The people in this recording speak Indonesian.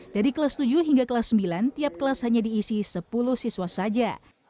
dari kelas tujuh hingga kelas sembilan tiap kelas hanya diisi sepuluh siswa saja